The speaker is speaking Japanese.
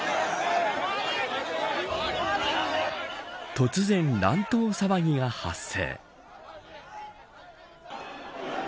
突然、乱闘騒ぎが発生。